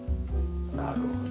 なるほど。